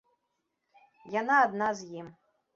Яна адна з ім.